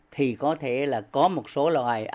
thì có thể là có một số loài